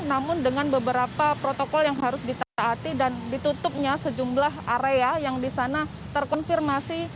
namun dengan beberapa protokol yang harus ditaati dan ditutupnya sejumlah area yang di sana terkonfirmasi